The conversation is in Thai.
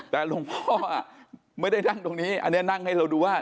แต่หลวงพ่อไม่ได้นั่งตรงนี้อันนี้นั่งให้เราดูว่า